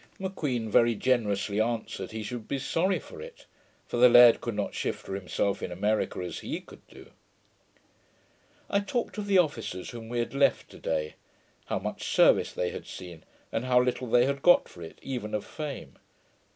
M'Queen very generously answered, he should be sorry for it; for the laird could not shift for himself in America as he could do. I talked of the officers whom we had left to day; how much service they had seen, and how little they got for it, even of fame.